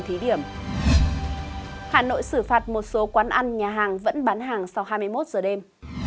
hà nội xử phạt một số quán ăn nhà hàng vẫn bán hàng sau hai mươi một giờ đêm